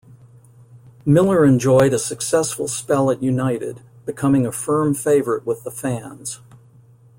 Miller enjoyed a successful spell at United, becoming a firm favourite with the fans.